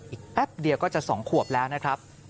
แป๊บเดียวก็จะ๒ขวบแล้วนะครับ